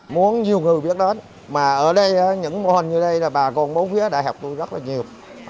muốn nhiều người biết đó mà ở đây những môn như đây là bà con bố vía đã học tôi rất là nhiều